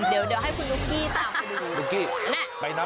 เดี๋ยวให้คุณลูกกี้ตามไปดู